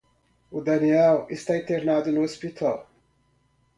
O Daniel está internado no Hospital